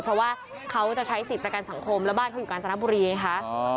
เพราะว่าเขาจะใช้สิทธิ์ประกันสังคมแล้วบ้านเขาอยู่กาญจนบุรีไงคะ